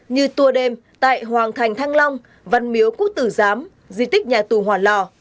như tùa đêm tại hoàng thành thăng long văn miếu cúc tử giám di tích nhà tù hoàn lò